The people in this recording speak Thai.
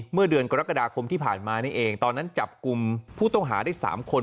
เมื่อเดือนกรกฎาคมที่ผ่านมานี่เองตอนนั้นจับกลุ่มผู้ต้องหาได้๓คน